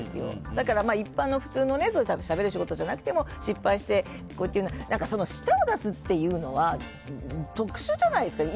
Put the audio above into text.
だから一般の普通のしゃべる仕事じゃなくても失敗して舌を出すというのは特殊じゃないですか。